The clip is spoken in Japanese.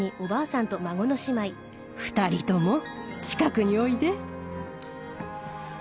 ２人とも近くにおいで。